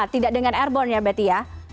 tidak dengan airborne ya berarti ya